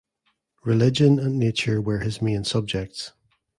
Religion and nature were his main subjects.